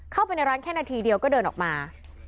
เข้าไปในร้านแค่นาทีเดียวก็เดินออกมา